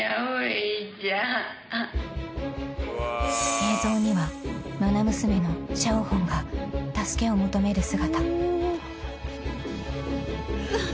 ［映像には愛娘のシャオホンが助けを求める姿］